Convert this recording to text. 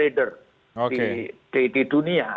saya juga trader di dunia